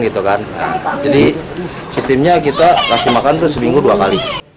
jadi sistemnya kita memberi makan itu seminggu dua kali